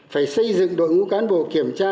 phải xây dựng đội ngũ cán bộ kiểm tra